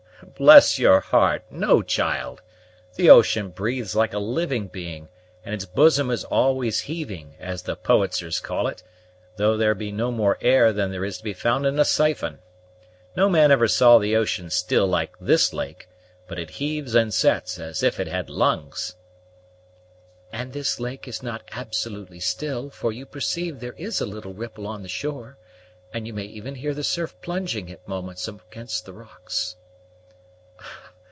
"Bless your heart, no, child! The ocean breathes like a living being, and its bosom is always heaving, as the poetizers call it, though there be no more air than is to be found in a siphon. No man ever saw the ocean still like this lake; but it heaves and sets as if it had lungs." "And this lake is not absolutely still, for you perceive there is a little ripple on the shore, and you may even hear the surf plunging at moments against the rocks."